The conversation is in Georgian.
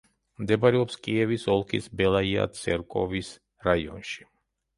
მდებარეობს კიევის ოლქის ბელაია-ცერკოვის რაიონში.